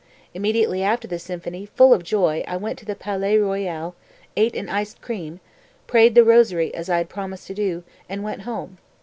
Immediately after the symphony full of joy I went into the Palais Royal, ate an iced cream, prayed the rosary as I had promised to do, and went home.